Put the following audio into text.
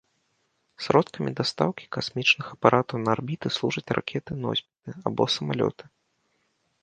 Сродкамі дастаўкі касмічных апаратаў на арбіту служаць ракеты-носьбіты або самалёты.